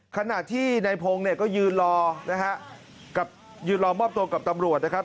ขณะที่ในพงศ์ก็ยืนรอมอบตัวกับตำรวจนะครับ